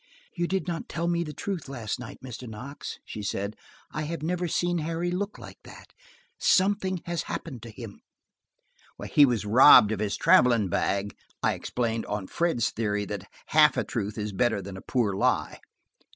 "You did not tell me the truth last night, Mr. Knox," she said. "I have never seen Harry look like that. Something has happened to him." "He was robbed of his traveling bag," I explained, on Fred's theory that half a truth is better than a poor lie.